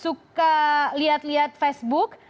suka lihat lihat facebook